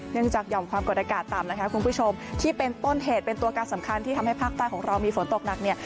จากหย่อมความกดอากาศต่ำนะคะคุณผู้ชมที่เป็นต้นเหตุเป็นตัวการสำคัญที่ทำให้ภาคใต้ของเรามีฝนตกหนักเนี่ย